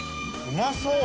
うまそう！